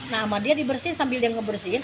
nah sama dia dibersihin sambil dia ngebersihin